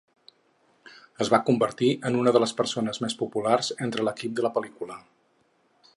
Es va convertir en una de les persones més populars entre l'equip de la pel·lícula.